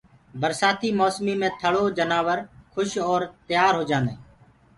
برسآتي موسمي مي ٿݪو جنآور کُش اور تيآ هوجآدآئين